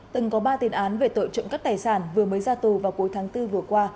từng có ba tiền án về tội trộm cắp tài sản vừa mới ra tù vào cuối tháng bốn vừa qua